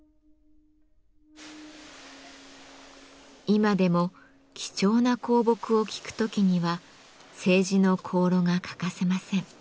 今でも貴重な香木を聞く時には青磁の香炉が欠かせません。